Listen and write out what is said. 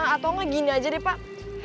atau nge gini aja deh pak